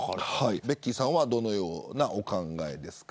ベッキーさんはどんなお考えですか。